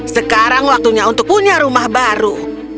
sekarang waktunya untuk punya rumah baru